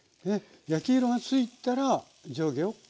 焼き色がついたら上下を返す。